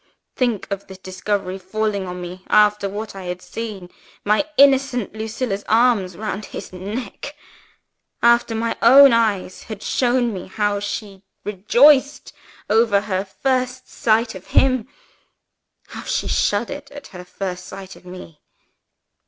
"Think of this discovery falling on me, after I had seen my innocent Lucilla's arms round his neck after my own eyes had shown me how she rejoiced over her first sight of him; how she shuddered at her first sight of _me!